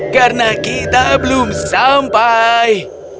karena kita belum sampai